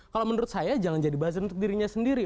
kalau menurut saya jangan jadi buzzer untuk dirinya sendiri